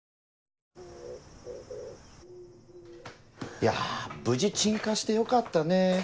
いや無事鎮火してよかったね。